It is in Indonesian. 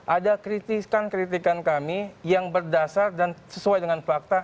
ada kritikan kritikan kami yang berdasar dan sesuai dengan fakta